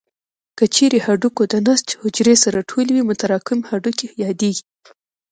که چیرې هډوکو د نسج حجرې سره ټولې وي متراکم هډوکي یادېږي.